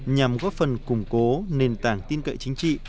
nhằm góp phần củng cố nền tảng tin cậy chính trị